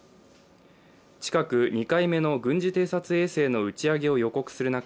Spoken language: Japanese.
近く２回目の軍事偵察衛星の打ち上げを予告する中